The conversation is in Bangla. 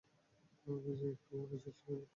আমি যাই, একটু ঘুমানোর চেষ্টা করি।